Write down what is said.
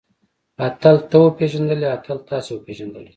اتل تۀ وپېژندلې؟ اتل تاسې وپېژندلئ؟